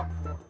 aduh aduh aduh